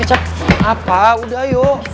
apa udah yuk